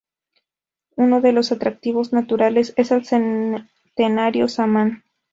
Uno de los atractivos naturales es el centenario samán.